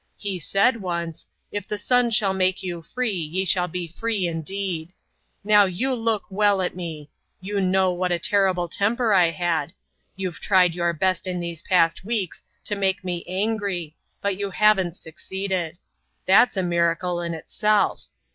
He said once, 'If the Son shall make you free, ye shall be free indeed!' Now you look well at me! You know what a terrible temper I had. You've tried your best in these past weeks to make me angry but you haven't succeeded. That's a miracle in itself.